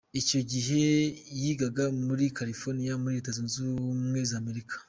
Icyo gihe yigaga muri California muri Leta Zunze Ubumwe za Amerika .